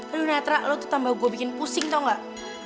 aduh netra lo tuh tambah gue bikin pusing tau gak